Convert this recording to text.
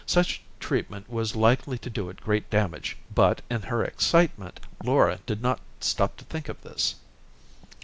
Such treatment was likely to do it great damage, but, in her excitement, Laura did not stop to think of this.